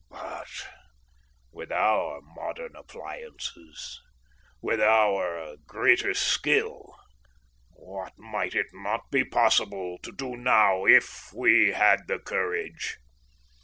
But with our modern appliances, with our greater skill, what might it not be possible to do now if we had the courage?